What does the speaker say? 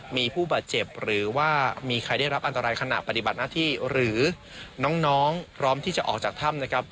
มีผู้บาดเจ็บหรือว่ามีใครได้รับอันตรายขณะปฏิบัติหน้าที่หรือน้องพร้อมที่จะออกจากถ้ำนะครับ